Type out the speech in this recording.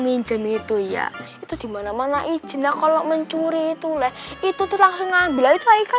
minjem itu ya itu dimana mana izin lah kalau mencuri itu leh itu tuh langsung ambil itu michael